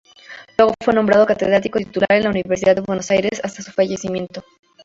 Luego fue nombrado catedrático titular en la Universidad de Buenos Aires, hasta su fallecimiento.